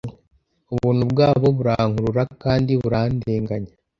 ubuntu bwabo burankurura kandi burandenganya